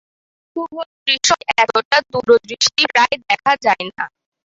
শুভদৃষ্টির সময় এতটা দূরদৃষ্টি প্রায় দেখা যায় না।